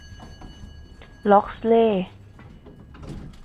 ล็อกซเล่ย์